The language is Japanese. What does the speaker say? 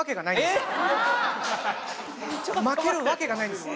負けるわけがないです！